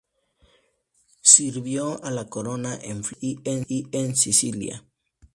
Sirvió a la corona en Flandes y en Sicilia.